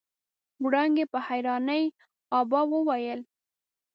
وړانګې په حيرانۍ ابا وويل.